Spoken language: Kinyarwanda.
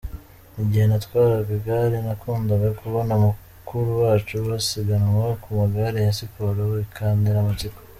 Igihe natwaraga igare nakundaga kubona bakuru bacu basiganwa ku magare ya siporo bikantera amatsiko.